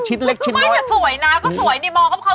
มันเป็นอะไร